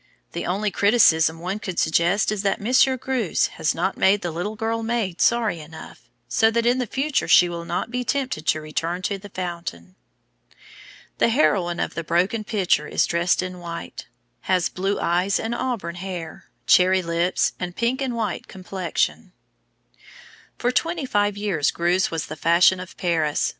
The only criticism one could suggest is that Monseiur Greuze has not made the little maid sorry enough, so that in the future she will not be tempted to return to the fountain!" The heroine of the broken pitcher is dressed in white, has blue eyes and auburn hair, cherry lips, and pink and white complexion. For twenty five years Greuze was the fashion in Paris.